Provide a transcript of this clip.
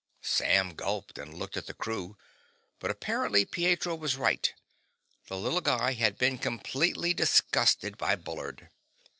Sam gulped and looked at the crew, but apparently Pietro was right; the little guy had been completely disgusted by Bullard.